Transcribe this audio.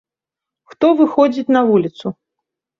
Хто выходзіць на вуліцу?